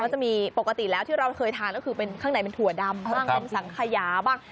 จะมีปกติแล้วที่เราเคยทานก็คือเป็นข้างในเป็นถั่วดำบ้างเป็นสังขยาบ้าง